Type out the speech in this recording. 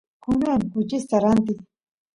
kunan kuchista rantiy